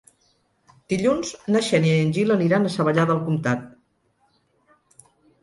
Dilluns na Xènia i en Gil aniran a Savallà del Comtat.